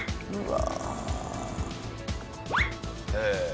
うわ。